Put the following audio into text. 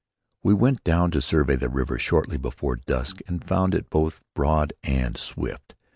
We went down to survey the river shortly before dusk and found it both broad and swift.